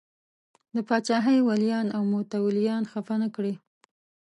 د پاچاهۍ ولیان او متولیان خفه نه کړي.